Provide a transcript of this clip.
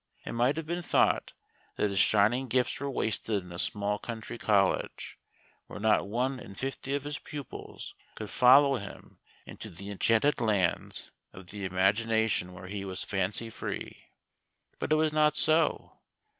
It might have been thought that his shining gifts were wasted in a small country college, where not one in fifty of his pupils could follow him into the enchanted lands of the imagination where he was fancy free. But it was not so.